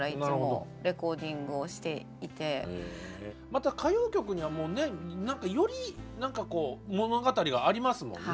また歌謡曲にはより何かこう物語がありますもんね